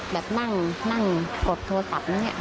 แบบนั่งกดโทรศัพท์นะเนี่ย